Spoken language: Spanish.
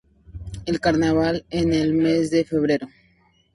El Carnaval en el mes de febrero.